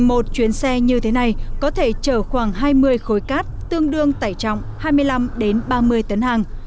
một chuyến xe như thế này có thể chở khoảng hai mươi khối cát tương đương tải trọng hai mươi năm ba mươi tấn hàng